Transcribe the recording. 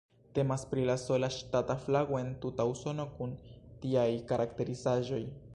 Temas pri la sola ŝtata flago en tuta Usono kun tiaj karakterizaĵoj.